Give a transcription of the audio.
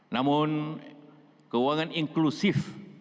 namun keuangan inklusif merupakan perubahan yang sangat penting